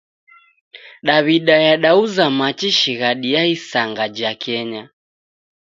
Daw'ida yadauza machi shighadi ya isanga ja kenya.